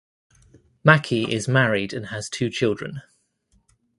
Mackie is married and has two children.